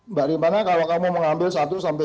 mbak ripana kalau kamu mengambil satu sampai